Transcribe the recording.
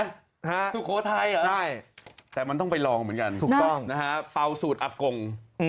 ฮะใช่ถูกโขทัยเหรอแต่มันต้องไปลองเหมือนกันนะฮะเปล่าสูตรอักกง